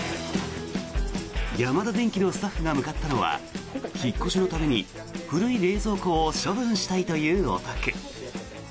ヤマダデンキのスタッフが向かったのは引っ越しのために古い冷蔵庫を処分したいというお宅。